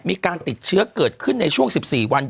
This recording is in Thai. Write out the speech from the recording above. มีการติดเชื้อเกิดขึ้นในช่วง๑๔วัน